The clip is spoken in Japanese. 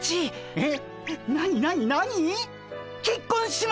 えっ。